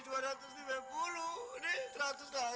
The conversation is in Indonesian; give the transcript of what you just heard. ini seratus lagi tuh